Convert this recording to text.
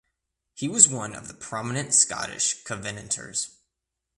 He was one of the prominent Scottish Covenanters.